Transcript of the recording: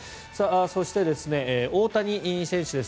そして大谷選手です